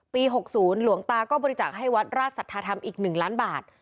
๖๐หลวงตาก็บริจาคให้วัดราชสัทธาธรรมอีก๑ล้านบาท